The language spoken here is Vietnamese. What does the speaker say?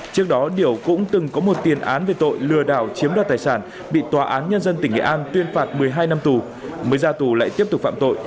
trước đó điểu cũng từng có một tiền án về tội lừa đảo chiếm đoạt tài sản bị tòa án nhân dân tỉnh nghệ an tuyên phạt một mươi hai năm tù mới ra tù lại tiếp tục phạm tội